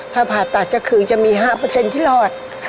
ถ้าผ่าตัดก็คือจะมี๕ที่รอด